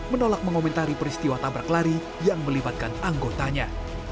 menolak mengomentari peristiwa tabrak lari yang melibatkan anggotanya